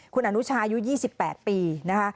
คุณอนุชายุ๒๘ปีนะคะ